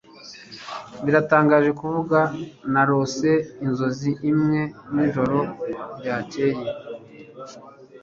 Biratangaje kuvuga, narose inzozi imwe nijoro ryakeye.